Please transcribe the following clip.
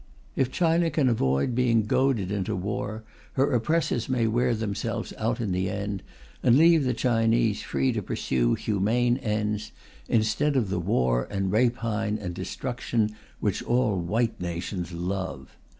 If China can avoid being goaded into war, her oppressors may wear themselves out in the end, and leave the Chinese free to pursue humane ends, instead of the war and rapine and destruction which all white nations love.